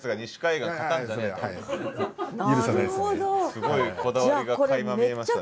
すごいこだわりがかいま見えましたね。